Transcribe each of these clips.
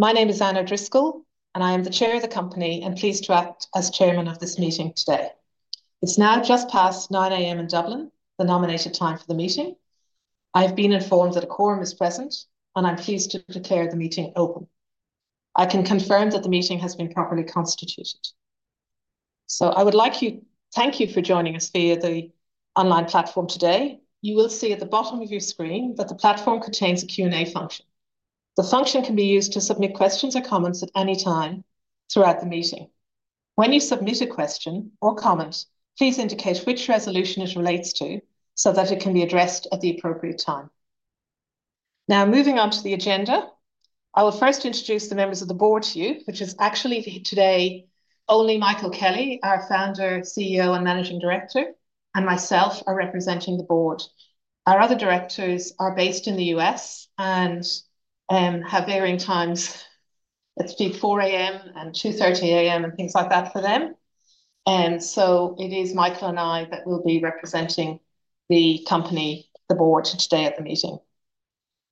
My name is Anne Driscoll, and I am the Chair of the company and pleased to act as Chairman of this meeting today. It's now just past 9:00 A.M. in Dublin, the nominated time for the meeting. I have been informed that a quorum is present, and I'm pleased to declare the meeting open. I can confirm that the meeting has been properly constituted. I would like to thank you for joining us via the online platform today. You will see at the bottom of your screen that the platform contains a Q&A function. The function can be used to submit questions or comments at any time throughout the meeting. When you submit a question or comment, please indicate which resolution it relates to so that it can be addressed at the appropriate time. Now, moving on to the agenda, I will first introduce the members of the board to you, which is actually today only Michael Kelly, our Founder, CEO, and Managing Director, and myself, representing the board. Our other directors are based in the U.S. and have varying times at 4:00 A.M. and 2:30 A.M. and things like that for them. It is Michael and I that will be representing the company, the board, today at the meeting.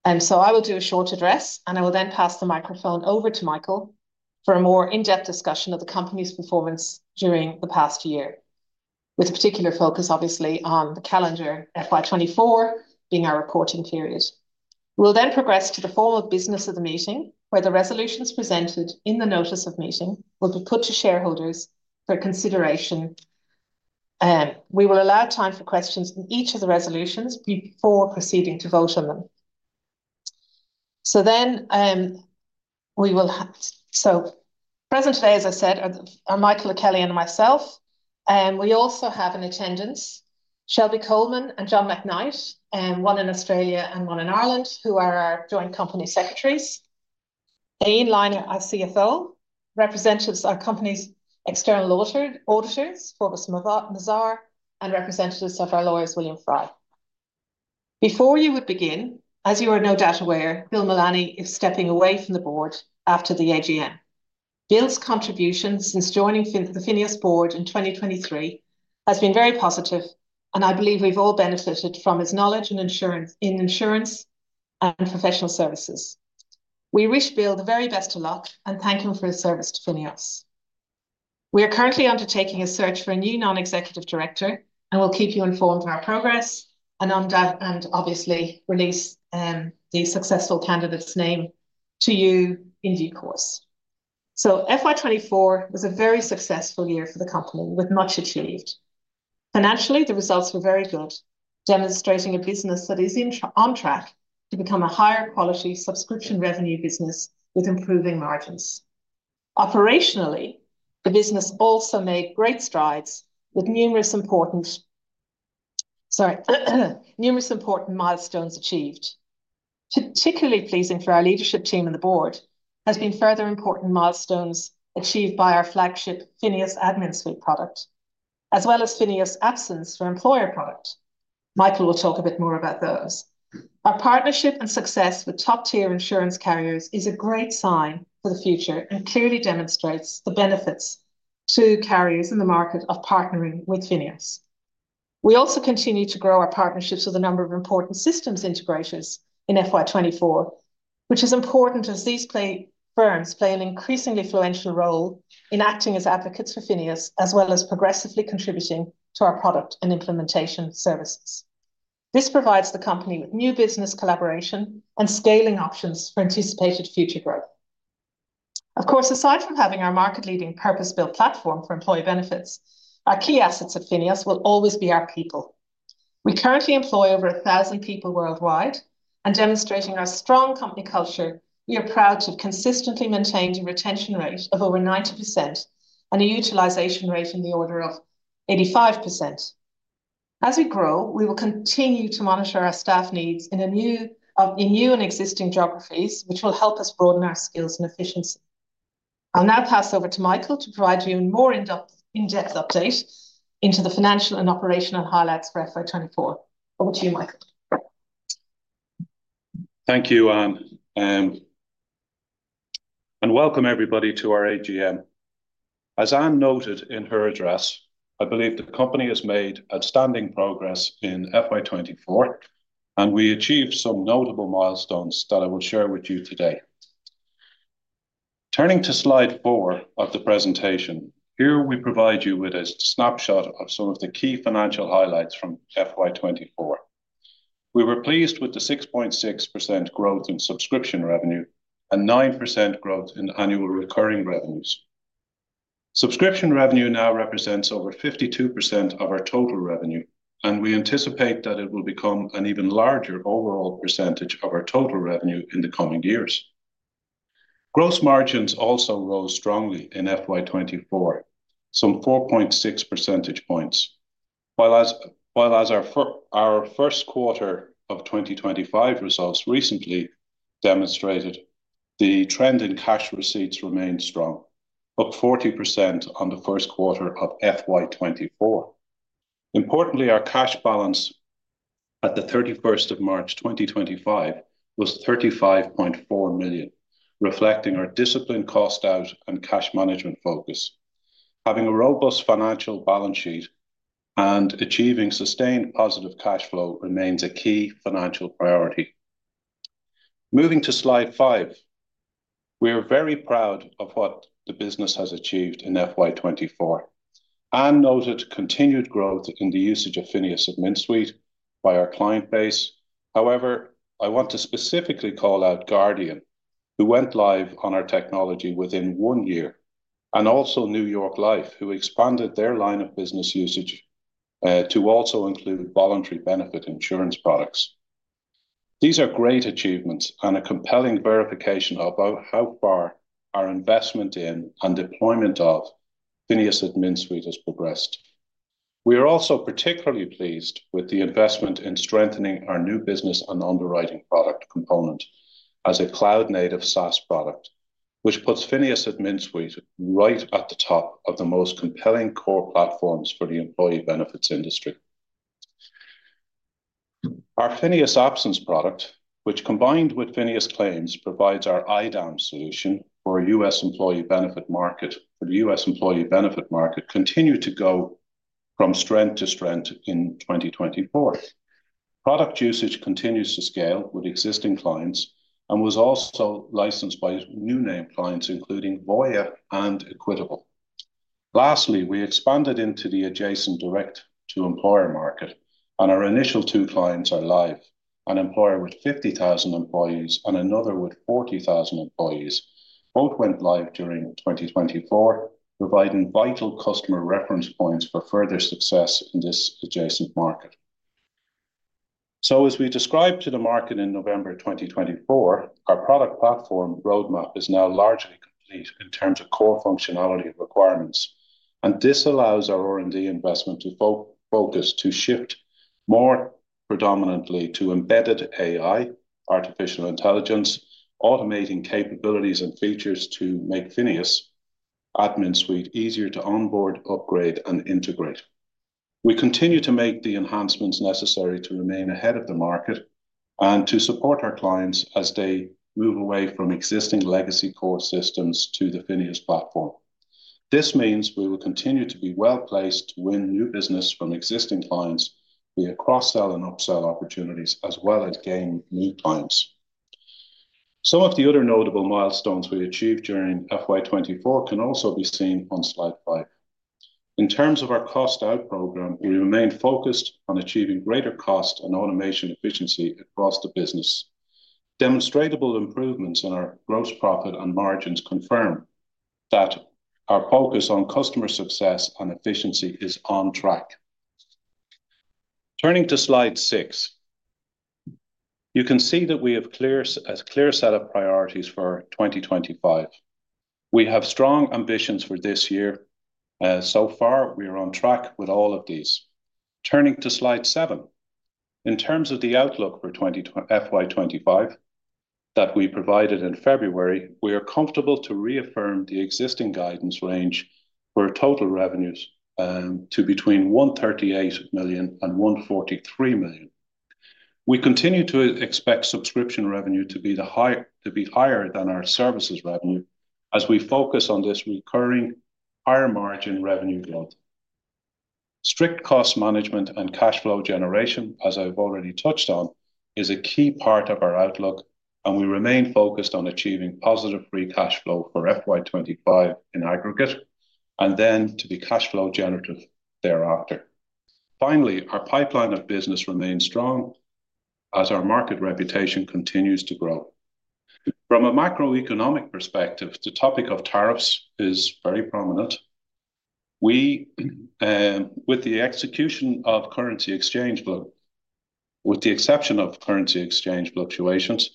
I will do a short address, and I will then pass the microphone over to Michael for a more in-depth discussion of the company's performance during the past year, with a particular focus, obviously, on the calendar FY 2024 being our reporting period. We will then progress to the formal business of the meeting, where the resolutions presented in the Notice of Meeting will be put to shareholders for consideration. We will allow time for questions in each of the resolutions before proceeding to vote on them. Present today, as I said, are Michael Kelly and myself. We also have in attendance Shelby Coleman and John McKnight, one in Australia and one in Ireland, who are our joint company secretaries. Ian Lynagh, our CFO, representatives of our company's external auditors, Forvis Mazars, and representatives of our lawyers, William Fry. Before you would begin, as you are no doubt aware, Bill Mullaney is stepping away from the board after the AGM. Bill's contribution since joining the FINEOS board in 2023 has been very positive, and I believe we've all benefited from his knowledge in insurance and professional services. We wish Bill the very best of luck and thank him for his service to FINEOS. We are currently undertaking a search for a new non-executive director, and we'll keep you informed of our progress and obviously release the successful candidate's name to you in due course. FY 2024 was a very successful year for the company with much achieved. Financially, the results were very good, demonstrating a business that is on track to become a higher quality subscription revenue business with improving margins. Operationally, the business also made great strides with numerous important milestones achieved. Particularly pleasing for our leadership team and the board has been further important milestones achieved by our flagship FINEOS AdminSuite product, as well as FINEOS Absence for Employer product. Michael will talk a bit more about those. Our partnership and success with top-tier insurance carriers is a great sign for the future and clearly demonstrates the benefits to carriers in the market of partnering with FINEOS. We also continue to grow our partnerships with a number of important systems integrators in FY 2024, which is important as these firms play an increasingly influential role in acting as advocates for FINEOS, as well as progressively contributing to our product and implementation services. This provides the company with new business collaboration and scaling options for anticipated future growth. Of course, aside from having our market-leading purpose-built platform for employee benefits, our key assets at FINEOS will always be our people. We currently employ over 1,000 people worldwide, and demonstrating our strong company culture, we are proud to have consistently maintained a retention rate of over 90% and a utilization rate in the order of 85%. As we grow, we will continue to monitor our staff needs in new and existing geographies, which will help us broaden our skills and efficiency. I'll now pass over to Michael to provide you with a more in-depth update into the financial and operational highlights for FY 2024. Over to you, Michael. Thank you, Anne, and welcome everybody to our AGM. As Anne noted in her address, I believe the company has made outstanding progress in FY 2024, and we achieved some notable milestones that I will share with you today. Turning to slide four of the presentation, here we provide you with a snapshot of some of the key financial highlights from FY 2024. We were pleased with the 6.6% growth in subscription revenue and 9% growth in annual recurring revenues. Subscription revenue now represents over 52% of our total revenue, and we anticipate that it will become an even larger overall percentage of our total revenue in the coming years. Gross margins also rose strongly in FY 2024, some 4.6 percentage points, while our first quarter of 2025 results recently demonstrated the trend in cash receipts remained strong, up 40% on the first quarter of FY 2024. Importantly, our cash balance at the 31st of March 2025 was 35.4 million, reflecting our disciplined cost out and cash management focus. Having a robust financial balance sheet and achieving sustained positive cash flow remains a key financial priority. Moving to slide five, we are very proud of what the business has achieved in FY 2024. Anne noted continued growth in the usage of FINEOS AdminSuite by our client base. However, I want to specifically call out Guardian, who went live on our technology within one year, and also New York Life, who expanded their line of business usage to also include voluntary benefit insurance products. These are great achievements and a compelling verification of how far our investment in and deployment of FINEOS AdminSuite has progressed. We are also particularly pleased with the investment in strengthening our new business and underwriting product component as a cloud-native SaaS product, which puts FINEOS AdminSuite right at the top of the most compelling core platforms for the employee benefits industry. Our FINEOS Absence product, which combined with FINEOS Claims provides our IDAM solution for a U.S. employee benefit market, continued to go from strength to strength in 2024. Product usage continues to scale with existing clients and was also licensed by new name clients, including Voya and Equitable. Lastly, we expanded into the adjacent Direct-to-Employer market, and our initial two clients are Live, an employer with 50,000 employees and another with 40,000 employees. Both went live during 2024, providing vital customer reference points for further success in this adjacent market. As we described to the market in November 2024, our product platform roadmap is now largely complete in terms of core functionality requirements, and this allows our R&D investment to focus to shift more predominantly to embedded AI, artificial intelligence, automating capabilities and features to make FINEOS AdminSuite easier to onboard, upgrade, and integrate. We continue to make the enhancements necessary to remain ahead of the market and to support our clients as they move away from existing legacy core systems to the FINEOS platform. This means we will continue to be well placed to win new business from existing clients via cross-sell and upsell opportunities, as well as gain new clients. Some of the other notable milestones we achieved during FY 2024 can also be seen on slide five. In terms of our cost out program, we remain focused on achieving greater cost and automation efficiency across the business. Demonstrable improvements in our gross profit and margins confirm that our focus on customer success and efficiency is on track. Turning to slide six, you can see that we have a clear set of priorities for 2025. We have strong ambitions for this year. So far, we are on track with all of these. Turning to slide seven, in terms of the outlook for FY 2025 that we provided in February, we are comfortable to reaffirm the existing guidance range for total revenues to between 138 million and 143 million. We continue to expect subscription revenue to be higher than our services revenue as we focus on this recurring higher margin revenue growth. Strict cost management and cash flow generation, as I've already touched on, is a key part of our outlook, and we remain focused on achieving positive free cash flow for FY 2025 in aggregate and then to be cash flow generative thereafter. Finally, our pipeline of business remains strong as our market reputation continues to grow. From a macroeconomic perspective, the topic of tariffs is very prominent. With the exception of currency exchange fluctuations,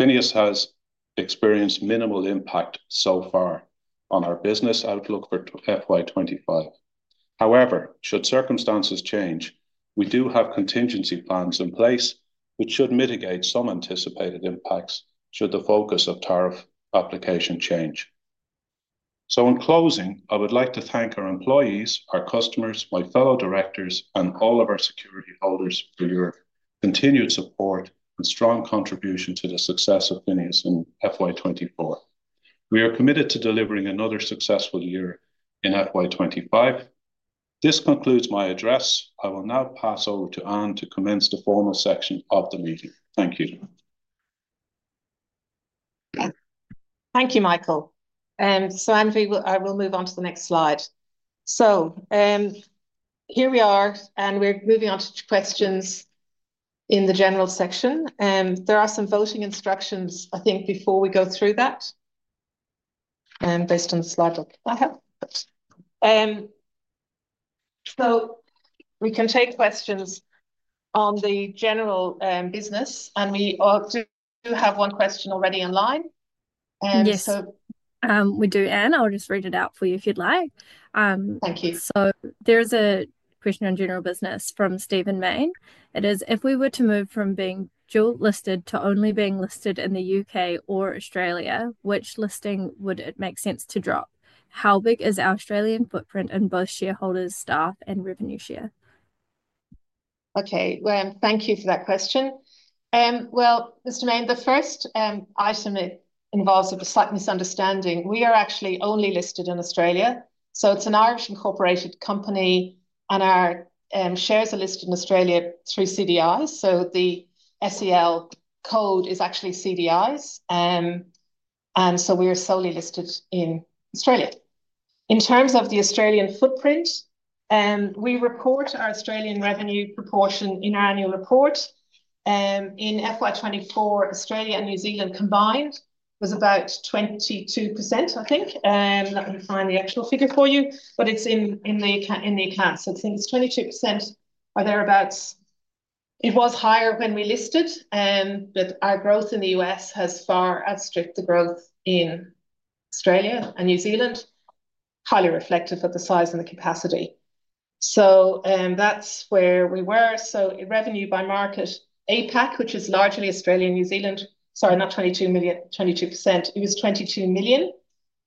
FINEOS has experienced minimal impact so far on our business outlook for FY 2025. However, should circumstances change, we do have contingency plans in place, which should mitigate some anticipated impacts should the focus of tariff application change. In closing, I would like to thank our employees, our customers, my fellow directors, and all of our security holders for your continued support and strong contribution to the success of FINEOS in FY 2024. We are committed to delivering another successful year in FY 2025. This concludes my address. I will now pass over to Anne to commence the formal section of the meeting. Thank you. Thank you, Michael. Anne, I will move on to the next slide. Here we are, and we're moving on to questions in the general section. There are some voting instructions, I think, before we go through that, based on the slide I have. We can take questions on the general business, and we do have one question already online. We do, Anne. I'll just read it out for you if you'd like. Thank you. There is a question on general business from Stephen Main. It is, if we were to move from being dual-listed to only being listed in the U.K. or Australia, which listing would it make sense to drop? How big is our Australian footprint in both shareholders, staff, and revenue share? Okay, thank you for that question. Mr. Main, the first item involves a slight misunderstanding. We are actually only listed in Australia. It is an Irish-incorporated company, and our shares are listed in Australia through CDIs. The FCL code is actually CDIs, and we are solely listed in Australia. In terms of the Australian footprint, we report our Australian revenue proportion in our annual report. In FY 2024, Australia and New Zealand combined was about 22%, I think. I'll find the actual figure for you, but it is in the accounts. I think it is 22% or thereabouts. It was higher when we listed, but our growth in the U.S. has far outstripped the growth in Australia and New Zealand, highly reflective of the size and the capacity. That is where we were. Revenue by market APAC, which is largely Australia and New Zealand, sorry, not 22%, 22 million. It was 22 million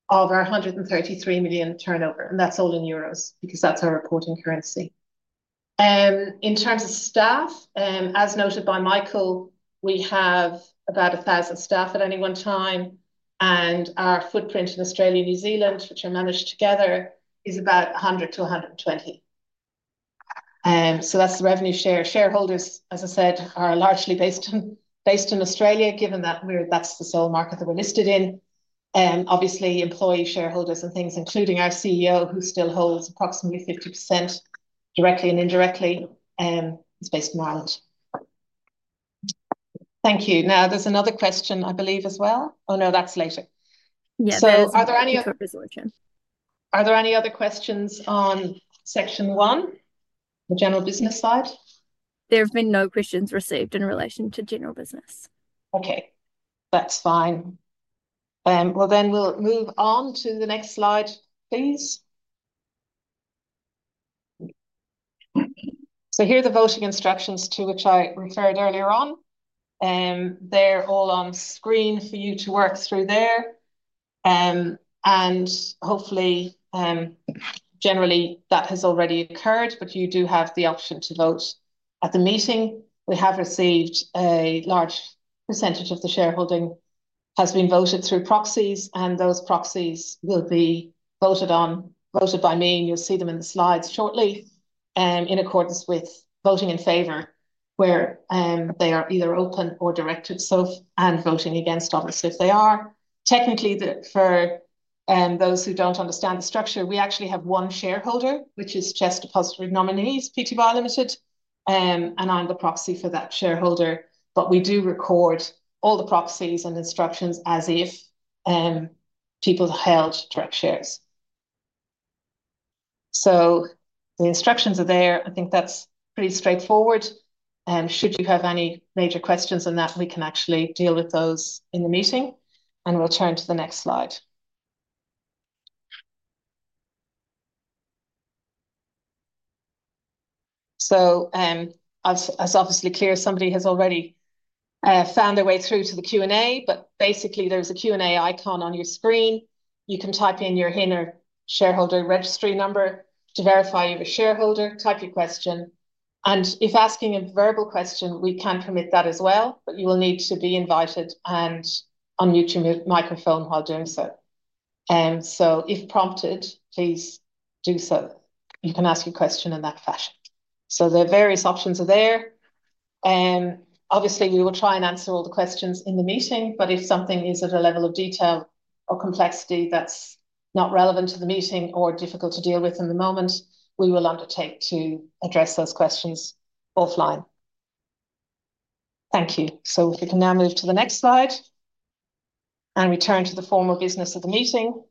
of our 133 million turnover, and that's all in euros because that's our reporting currency. In terms of staff, as noted by Michael, we have about 1,000 staff at any one time, and our footprint in Australia and New Zealand, which are managed together, is about 100-120. That's the revenue share. Shareholders, as I said, are largely based in Australia, given that that's the sole market that we're listed in. Obviously, employee shareholders and things, including our CEO, who still holds approximately 50% directly and indirectly, is based in Ireland. Thank you. Now, there's another question, I believe, as well. Oh, no, that's later. Yeah, that's a proposal item. Are there any other questions on section one, the general business side? There have been no questions received in relation to general business. Okay, that's fine. We'll move on to the next slide, please. Here are the voting instructions to which I referred earlier on. They're all on screen for you to work through there. Hopefully, generally, that has already occurred, but you do have the option to vote at the meeting. We have received a large percentage of the shareholding has been voted through proxies, and those proxies will be voted on, voted by me, and you'll see them in the slides shortly, in accordance with voting in favor, where they are either open or directed, and voting against, obviously, if they are. Technically, for those who don't understand the structure, we actually have one shareholder, which is just a positive nominee, PTY Ltd, and I'm the proxy for that shareholder, but we do record all the proxies and instructions as if people held direct shares. The instructions are there. I think that's pretty straightforward. Should you have any major questions on that, we can actually deal with those in the meeting, and we'll turn to the next slide. As obviously clear, somebody has already found their way through to the Q&A, but basically, there's a Q&A icon on your screen. You can type in your HIN or shareholder registry number to verify you're a shareholder, type your question, and if asking a verbal question, we can permit that as well, but you will need to be invited and unmute your microphone while doing so. If prompted, please do so. You can ask your question in that fashion. There are various options there. Obviously, we will try and answer all the questions in the meeting, but if something is at a level of detail or complexity that's not relevant to the meeting or difficult to deal with in the moment, we will undertake to address those questions offline. Thank you. If we can now move to the next slide and return to the formal business of the meeting,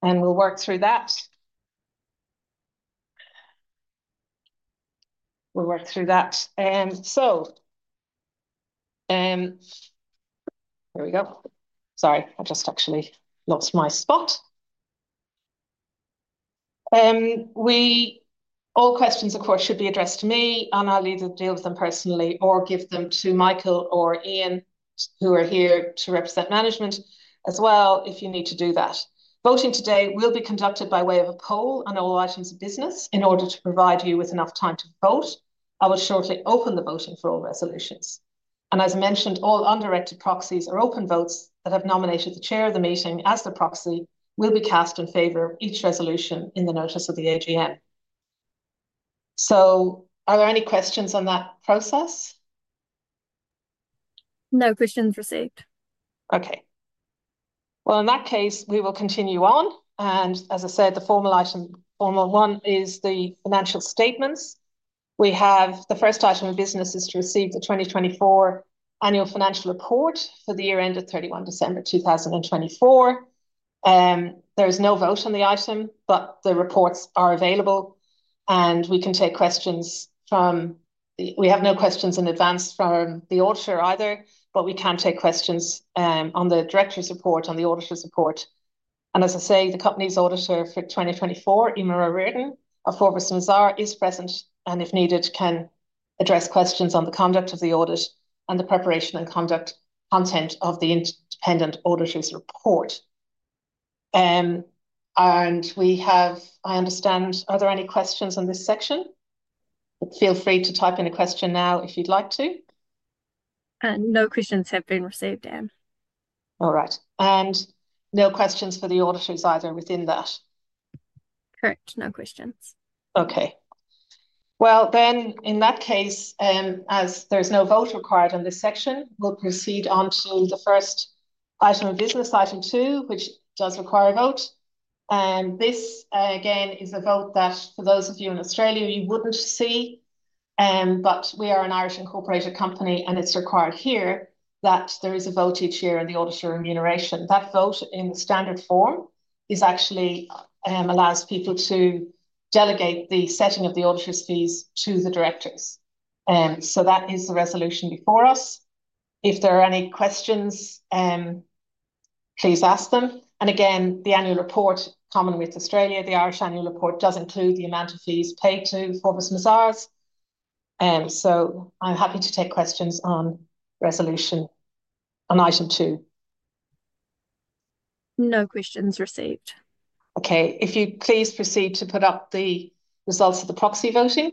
we'll work through that. Here we go. Sorry, I just actually lost my spot. All questions, of course, should be addressed to me, and I'll either deal with them personally or give them to Michael or Ian, who are here to represent management as well, if you need to do that. Voting today will be conducted by way of a poll on all items of business. In order to provide you with enough time to vote, I will shortly open the voting for all resolutions. As mentioned, all undirected proxies or open votes that have nominated the chair of the meeting as the proxy will be cast in favor of each resolution in the notice of the AGM. Are there any questions on that process? No questions received. Okay. In that case, we will continue on. As I said, the formal item, formal one, is the financial statements. We have the first item of business is to receive the 2024 annual financial report for the year ended 31 December 2024. There is no vote on the item, but the reports are available, and we can take questions from the we have no questions in advance from the auditor either, but we can take questions on the director's report, on the auditor's report. As I say, the company's auditor for 2024, Iman Rowden of Forvis Mazars, is present and if needed, can address questions on the conduct of the audit and the preparation and content of the independent auditor's report. I understand, are there any questions on this section? Feel free to type in a question now if you'd like to. No questions have been received, Anne. All right. No questions for the auditors either within that? Correct. No questions. Okay. In that case, as there is no vote required on this section, we will proceed on to the first item of business, item two, which does require a vote. This, again, is a vote that for those of you in Australia, you would not see, but we are an Irish-incorporated company, and it is required here that there is a vote each year on the auditor remuneration. That vote in the standard form actually allows people to delegate the setting of the auditor's fees to the directors. That is the resolution before us. If there are any questions, please ask them. Again, the Annual Report, Commonwealth Australia, the Irish Annual Report, does include the amount of fees paid to Forvis Mazars. I am happy to take questions on the resolution on item two. No questions received. Okay. If you please proceed to put up the results of the proxy voting.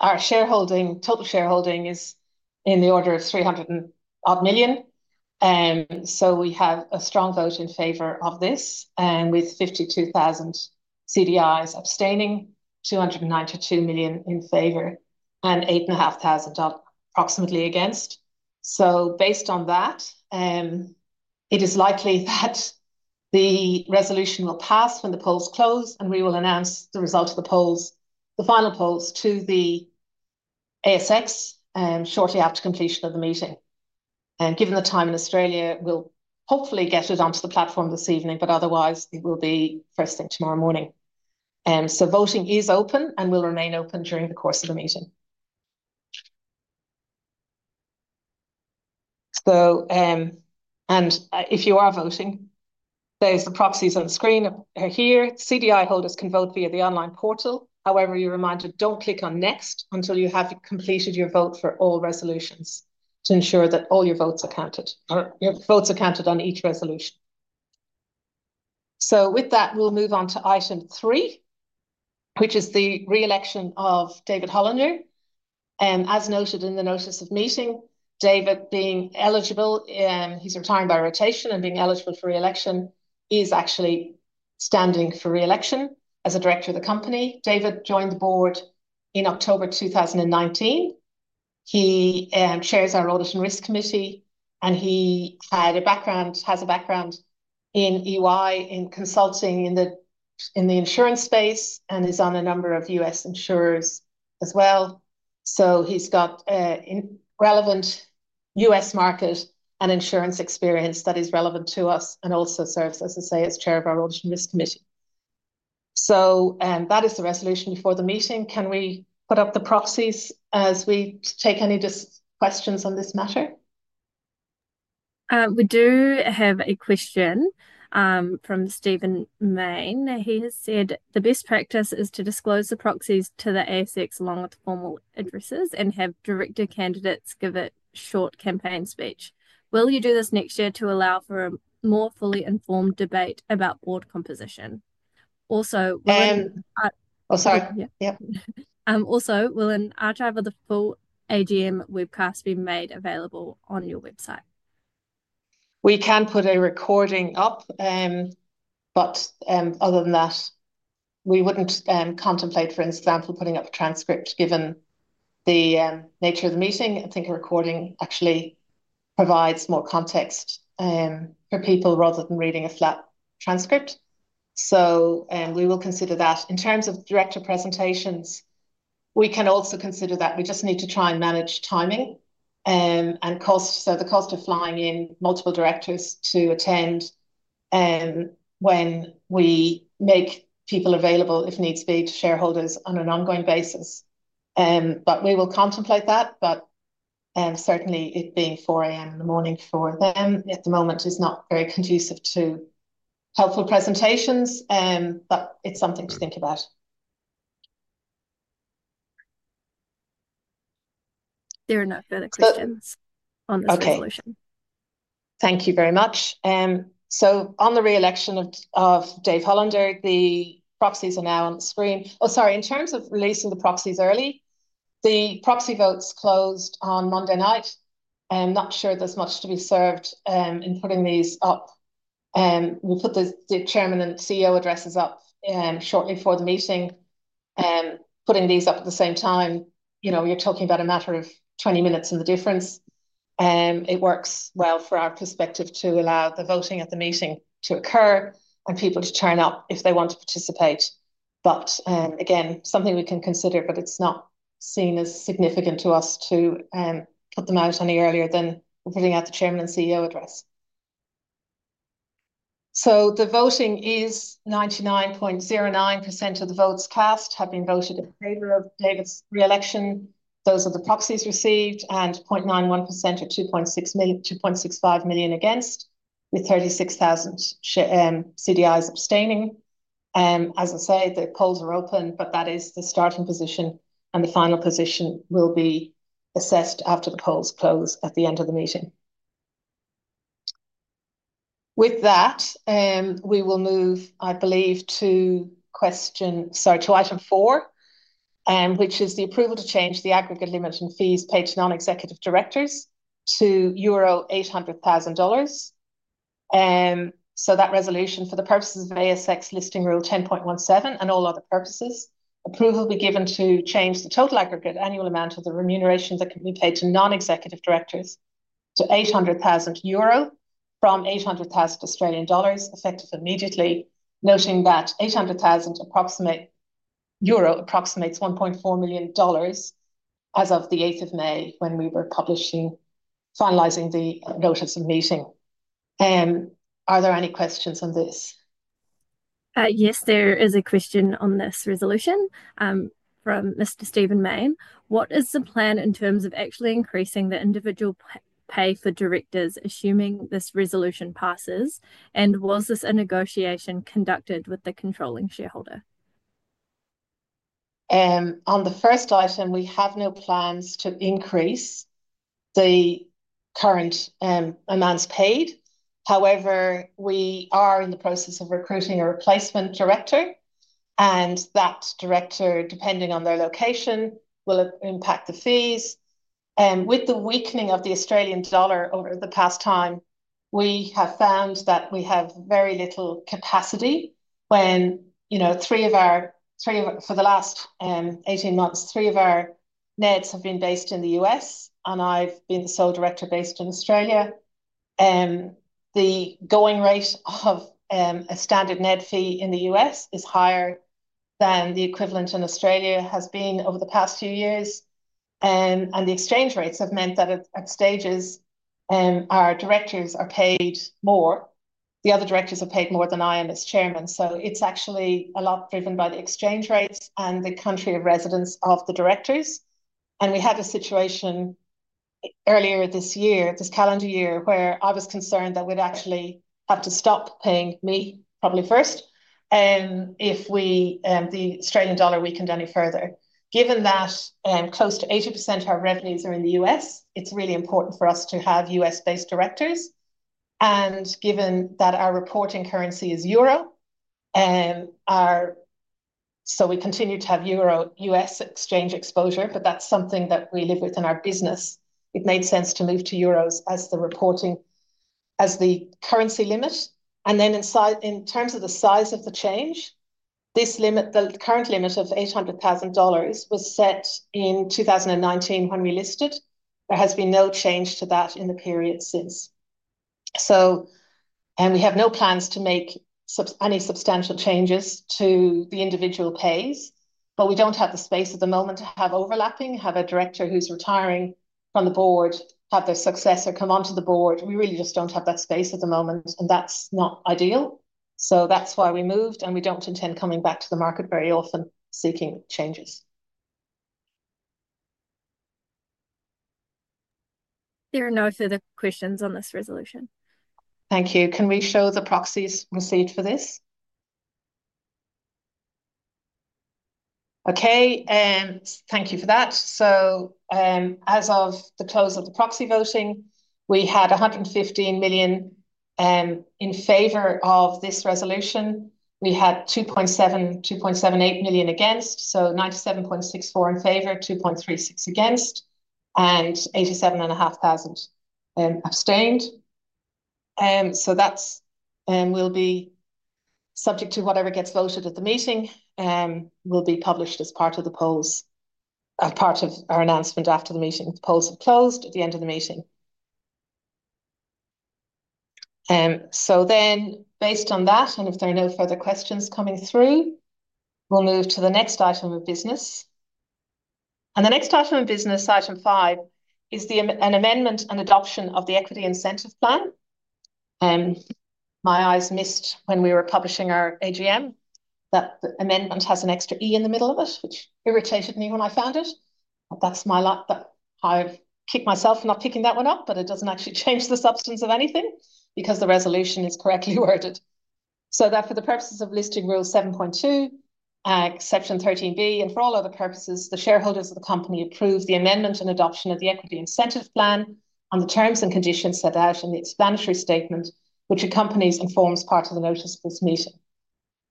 Our total shareholding is in the order of 300 million. We have a strong vote in favor of this with 52,000 CDIs abstaining, 292 million in favor, and 8,500 approximately against. Based on that, it is likely that the resolution will pass when the polls close and we will announce the result of the polls, the final polls to the ASX shortly after completion of the meeting. Given the time in Australia, we'll hopefully get it onto the platform this evening, otherwise, it will be first thing tomorrow morning. Voting is open and will remain open during the course of the meeting. If you are voting, there are the proxies on the screen here. CDI holders can vote via the online portal. However, you're reminded, don't click on next until you have completed your vote for all resolutions to ensure that all your votes are counted, your votes are counted on each resolution. With that, we'll move on to item three, which is the re-election of David Hollander. As noted in the notice of meeting, David being eligible, he's retired by rotation and being eligible for re-election is actually standing for re-election as a director of the company. David joined the board in October 2019. He chairs our audit and risk committee, and he has a background in EY in consulting in the insurance space and is on a number of U.S. insurers as well. He's got relevant U.S. market and insurance experience that is relevant to us and also serves, as I say, as chair of our audit and risk committee. That is the resolution before the meeting. Can we put up the proxies as we take any questions on this matter? We do have a question from Stephen Main. He has said, "The best practice is to disclose the proxies to the ASX along with formal addresses and have director candidates give a short campaign speech. Will you do this next year to allow for a more fully informed debate about board composition?" Also, will an. Oh, sorry. Yep. Also, will an archive of the full AGM webcast be made available on your website? We can put a recording up, but other than that, we would not contemplate, for example, putting up a transcript given the nature of the meeting. I think a recording actually provides more context for people rather than reading a flat transcript. We will consider that. In terms of director presentations, we can also consider that. We just need to try and manage timing and cost. The cost of flying in multiple directors to attend when we make people available, if needs be, to shareholders on an ongoing basis. We will contemplate that. Certainly, it being 4:00 A.M. in the morning for them at the moment is not very conducive to helpful presentations, but it is something to think about. There are no further questions on this resolution. Okay. Thank you very much. On the re-election of Dave Hollander, the proxies are now on the screen. Oh, sorry. In terms of releasing the proxies early, the proxy votes closed on Monday night. I'm not sure there's much to be served in putting these up. We'll put the Chairman and CEO addresses up shortly before the meeting. Putting these up at the same time, you're talking about a matter of 20 minutes and the difference. It works well for our perspective to allow the voting at the meeting to occur and people to turn up if they want to participate. Again, something we can consider, but it's not seen as significant to us to put them out any earlier than putting out the Chairman and CEO address. The voting is 99.09% of the votes cast have been voted in favor of David's re-election. Those are the proxies received, and 0.91% or 2.65 million against, with 36,000 CDIs abstaining. As I say, the polls are open, but that is the starting position, and the final position will be assessed after the polls close at the end of the meeting. With that, we will move, I believe, to question, sorry, to item four, which is the approval to change the aggregate limit in fees paid to non-executive directors to euro 800,000. So that resolution for the purposes of ASX listing rule 10.17 and all other purposes, approval will be given to change the total aggregate annual amount of the remuneration that can be paid to non-executive directors to 800,000 euro from 800,000 Australian dollars effective immediately, noting that 800,000 euro approximates $1.4 million as of the 8th of May when we were finalizing the notice of meeting. Are there any questions on this? Yes, there is a question on this resolution from Mr. Stephen Main. What is the plan in terms of actually increasing the individual pay for directors assuming this resolution passes? Was this a negotiation conducted with the controlling shareholder? On the first item, we have no plans to increase the current amounts paid. However, we are in the process of recruiting a replacement director, and that director, depending on their location, will impact the fees. With the weakening of the Australian dollar over the past time, we have found that we have very little capacity when, for the last 18 months, three of our NEDs have been based in the U.S., and I have been the sole director based in Australia. The going rate of a standard NED fee in the U.S. is higher than the equivalent in Australia has been over the past few years. The exchange rates have meant that at stages, our directors are paid more. The other directors are paid more than I am as chairman. It's actually a lot driven by the exchange rates and the country of residence of the directors. We had a situation earlier this year, this calendar year, where I was concerned that we'd actually have to stop paying me probably first if the Australian dollar weakened any further. Given that close to 80% of our revenues are in the U.S., it's really important for us to have U.S.-based directors. Given that our reporting currency is euro, we continue to have U.S. exchange exposure, but that's something that we live with in our business. It made sense to move to euros as the reporting as the currency limit. In terms of the size of the change, this limit, the current limit of $800,000 was set in 2019 when we listed. There has been no change to that in the period since. We have no plans to make any substantial changes to the individual pays, but we do not have the space at the moment to have overlapping, have a director who is retiring from the board, have their successor come onto the board. We really just do not have that space at the moment, and that is not ideal. That is why we moved, and we do not intend coming back to the market very often seeking changes. There are no further questions on this resolution. Thank you. Can we show the proxies received for this? Okay. Thank you for that. As of the close of the proxy voting, we had 115 million in favor of this resolution. We had 2.78 million against, so 97.64% in favor, 2.36% against, and 87,500 abstained. That will be subject to whatever gets voted at the meeting and will be published as part of the polls, as part of our announcement after the meeting. The polls have closed at the end of the meeting. If there are no further questions coming through, we'll move to the next item of business. The next item of business, item five, is an amendment and adoption of the Equity Incentive Plan. My eyes missed when we were publishing our AGM that the amendment has an extra E in the middle of it, which irritated me when I found it. That's my luck. I kick myself for not picking that one up, but it doesn't actually change the substance of anything because the resolution is correctly worded. So that for the purposes of listing Rule 7.2, Section 13B, and for all other purposes, the shareholders of the company approve the amendment and adoption of the Equity Incentive Plan on the terms and conditions set out in the explanatory statement, which accompanies and forms part of the notice of this meeting.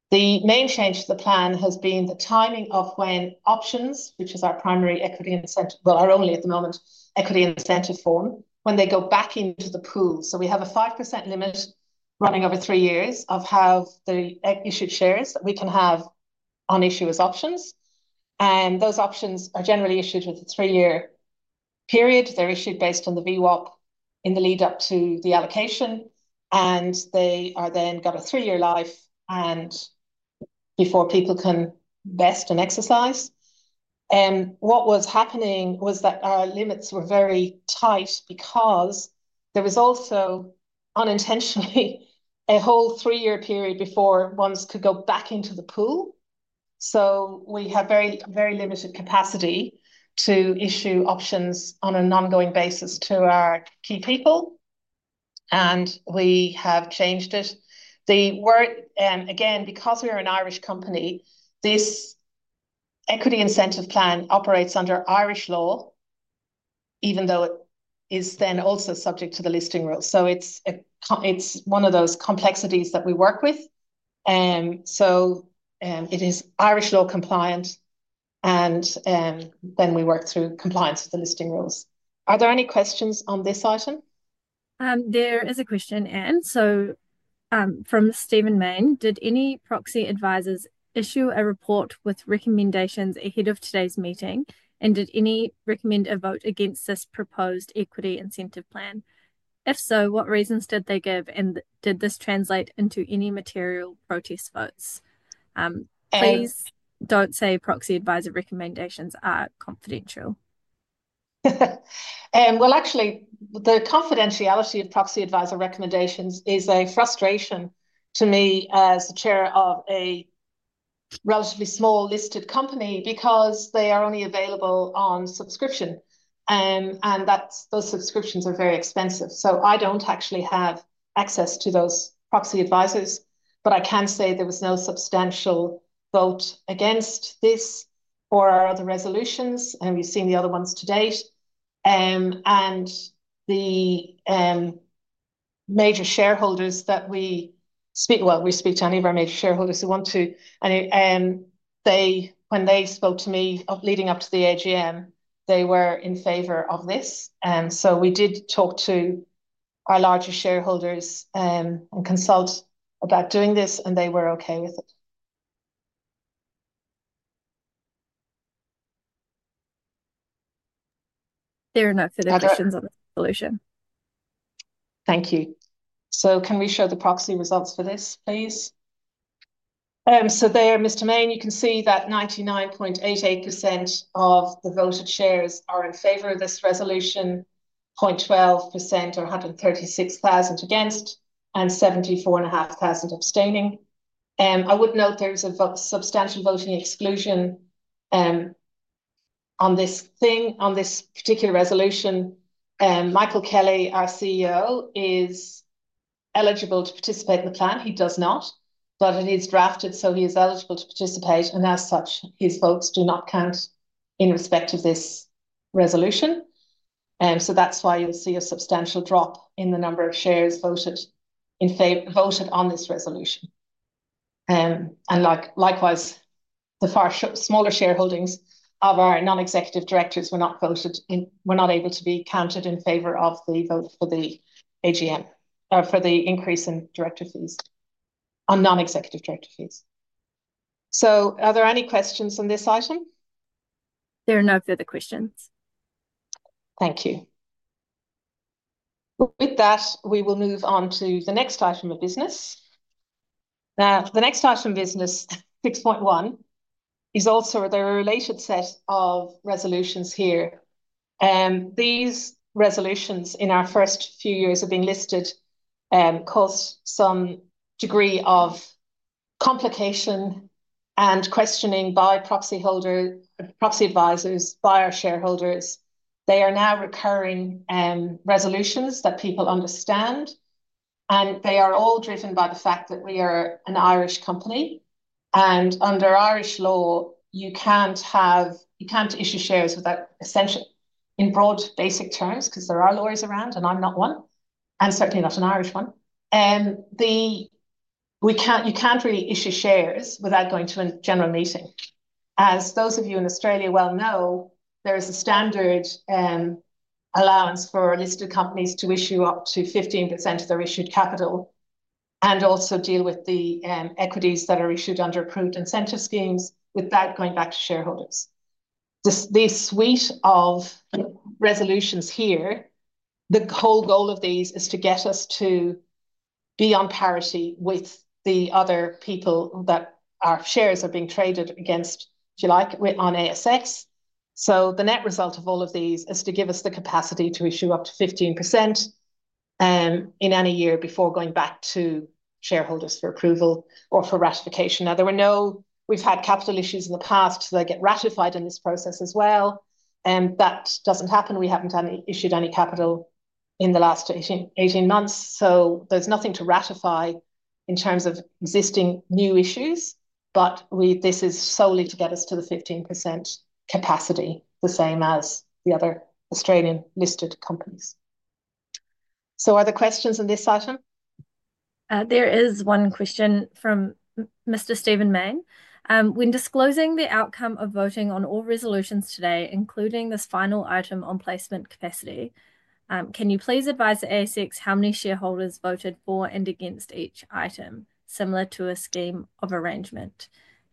The main change to the plan has been the timing of when options, which is our primary equity incentive, well, our only at the moment equity incentive form, when they go back into the pool. We have a 5% limit running over three years of how the issued shares that we can have on issue as options. Those options are generally issued with a three-year period. They're issued based on the VWAP in the lead-up to the allocation, and they are then got a three-year life before people can vest and exercise. What was happening was that our limits were very tight because there was also unintentionally a whole three-year period before ones could go back into the pool. We have very limited capacity to issue options on an ongoing basis to our key people, and we have changed it. Again, because we are an Irish company, this equity incentive plan operates under Irish law, even though it is then also subject to the listing rules. It's one of those complexities that we work with. It is Irish law compliant, and then we work through compliance with the listing rules. Are there any questions on this item? There is a question in. So from Stephen Main, did any proxy advisors issue a report with recommendations ahead of today's meeting, and did any recommend a vote against this proposed equity incentive plan? If so, what reasons did they give, and did this translate into any material protest votes? Please don't say proxy advisor recommendations are confidential. Actually, the confidentiality of proxy advisor recommendations is a frustration to me as the Chair of a relatively small listed company because they are only available on subscription, and those subscriptions are very expensive. I do not actually have access to those proxy advisors, but I can say there was no substantial vote against this or our other resolutions, and we have seen the other ones to date. The major shareholders that we speak to, we speak to any of our major shareholders who want to, and when they spoke to me leading up to the AGM, they were in favor of this. We did talk to our larger shareholders and consult about doing this, and they were okay with it. There are no further questions on this resolution. Thank you. Can we show the proxy results for this, please? There, Mr. Main, you can see that 99.88% of the voted shares are in favor of this resolution, 0.12% or 136,000 against, and 74,500 abstaining. I would note there is a substantial voting exclusion on this particular resolution. Michael Kelly, our CEO, is eligible to participate in the plan. He does not, but it is drafted so he is eligible to participate, and as such, his votes do not count in respect of this resolution. That is why you will see a substantial drop in the number of shares voted on this resolution. Likewise, the far smaller shareholdings of our non-executive directors were not voted in, were not able to be counted in favor of the vote for the AGM or for the increase in director fees on non-executive director fees. Are there any questions on this item? There are no further questions. Thank you. With that, we will move on to the next item of business. Now, the next item of business, 6.1, is also a related set of resolutions here. These resolutions in our first few years of being listed caused some degree of complication and questioning by proxy advisors, by our shareholders. They are now recurring resolutions that people understand, and they are all driven by the fact that we are an Irish company. Under Irish law, you can't issue shares without, essentially in broad basic terms, because there are lawyers around, and I'm not one, and certainly not an Irish one. You can't really issue shares without going to a general meeting. As those of you in Australia well know, there is a standard allowance for listed companies to issue up to 15% of their issued capital and also deal with the equities that are issued under approved incentive schemes without going back to shareholders. This suite of resolutions here, the whole goal of these is to get us to be on parity with the other people that our shares are being traded against on ASX. The net result of all of these is to give us the capacity to issue up to 15% in any year before going back to shareholders for approval or for ratification. Now, we've had capital issues in the past, so they get ratified in this process as well. That doesn't happen. We haven't issued any capital in the last 18 months, so there's nothing to ratify in terms of existing new issues. This is solely to get us to the 15% capacity, the same as the other Australian listed companies. Are there questions on this item? There is one question from Mr. Stephen Main. When disclosing the outcome of voting on all resolutions today, including this final item on placement capacity, can you please advise the ASX how many shareholders voted for and against each item, similar to a scheme of arrangement?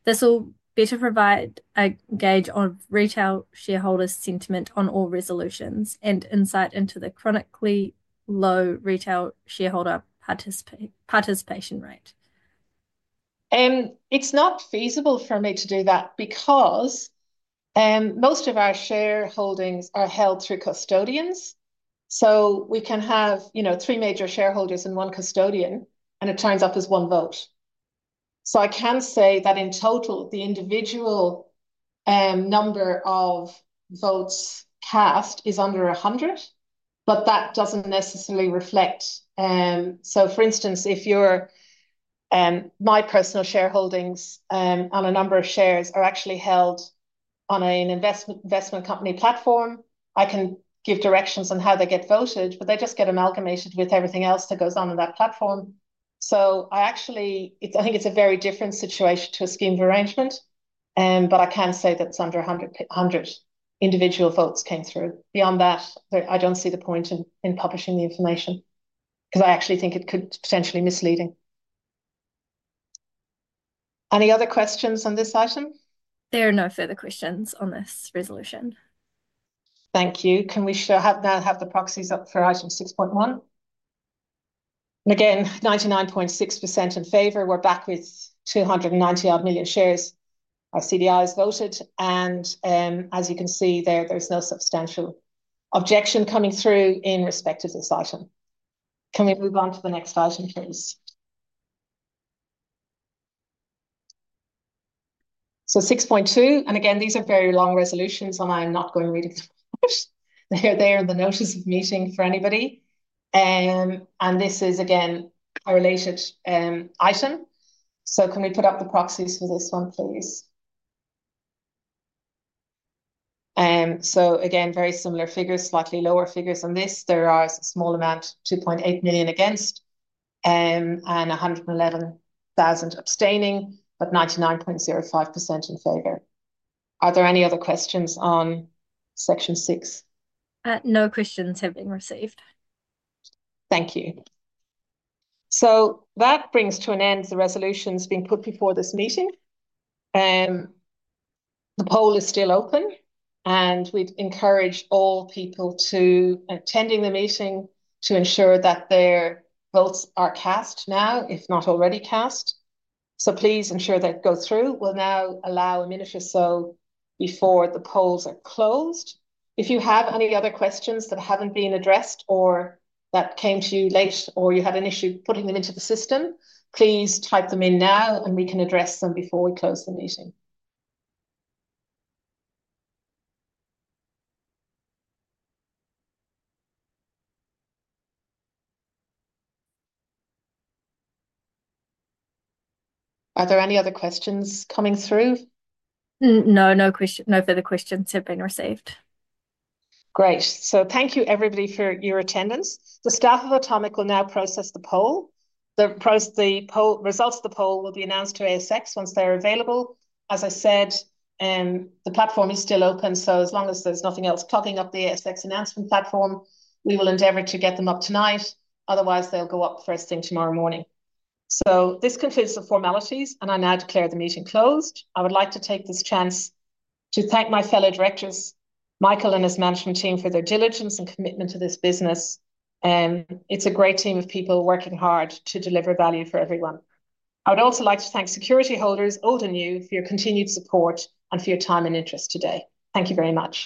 This will better provide a gauge of retail shareholders' sentiment on all resolutions and insight into the chronically low retail shareholder participation rate. It's not feasible for me to do that because most of our shareholdings are held through custodians. We can have three major shareholders and one custodian, and it turns up as one vote. I can say that in total, the individual number of votes cast is under 100, but that does not necessarily reflect. For instance, if my personal shareholdings on a number of shares are actually held on an investment company platform, I can give directions on how they get voted, but they just get amalgamated with everything else that goes on in that platform. I think it's a very different situation to a scheme of arrangement, but I can say that under 100 individual votes came through. Beyond that, I do not see the point in publishing the information because I actually think it could potentially be misleading. Any other questions on this item? There are no further questions on this resolution. Thank you. Can we now have the proxies up for Item 6.1? Again, 99.6% in favor. We're back with 290-odd million shares. Our CDIs voted, and as you can see there, there's no substantial objection coming through in respect of this item. Can we move on to the next item, please? Item 6.2. These are very long resolutions, and I'm not going to read them out. They're there in the notice of meeting for anybody. This is, again, a related item. Can we put up the proxies for this one, please? Again, very similar figures, slightly lower figures on this. There are a small amount, 2.8 million against, and 111,000 abstaining, but 99.05% in favor. Are there any other questions on section six? No questions have been received. Thank you. That brings to an end the resolutions being put before this meeting. The poll is still open, and we'd encourage all people attending the meeting to ensure that their votes are cast now, if not already cast. Please ensure they go through. We'll now allow a minute or so before the polls are closed. If you have any other questions that haven't been addressed or that came to you late or you had an issue putting them into the system, please type them in now, and we can address them before we close the meeting. Are there any other questions coming through? No, no further questions have been received. Great. Thank you, everybody, for your attendance. The staff of Atomic will now process the poll. The results of the poll will be announced to ASX once they're available. As I said, the platform is still open, so as long as there's nothing else clogging up the ASX Announcement Platform, we will endeavor to get them up tonight. Otherwise, they'll go up first thing tomorrow morning. This concludes the formalities, and I now declare the meeting closed. I would like to take this chance to thank my fellow directors, Michael and his management team, for their diligence and commitment to this business. It's a great team of people working hard to deliver value for everyone. I would also like to thank security holders, old and new, for your continued support and for your time and interest today. Thank you very much.